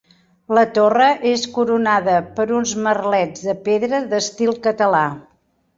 La torre és coronada per uns merlets de pedra d'estil català.